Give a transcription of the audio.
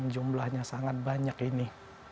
jumlahnya sangat banyak ini